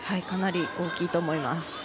かなり大きいと思います。